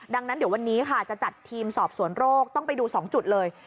ดังนั้นเดี๋ยววันนี้ค่ะจะจัดทีมสอบสวนโรคต้องไปดู๒จุดเลย